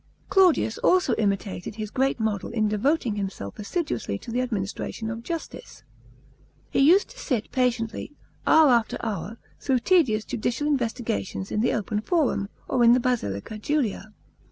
§ 6. Claudius also imitated his great model in devoting himself assiduously to the administration of justice. He used to sit patiently, hour after hour, through tedious judicial investigations in the open forum, or in the Basilica Julia.